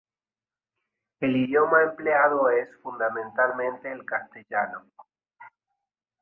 El idioma empleado es fundamentalmente el castellano.